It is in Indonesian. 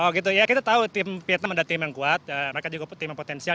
oh gitu ya kita tahu tim vietnam ada tim yang kuat mereka juga tim yang potensial